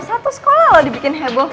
satu sekolah loh dibikin heboh